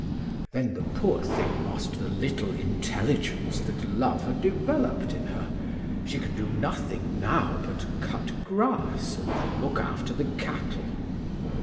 Then the poor thing lost the little intelligence that love had developed in her; she can do nothing now but cut grass and look after the cattle.